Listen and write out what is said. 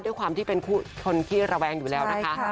ด้วยความที่เป็นคนขี้ระแวงอยู่แล้วนะคะ